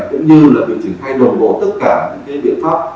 cũng như là việc triển khai đồng bộ tất cả những biện pháp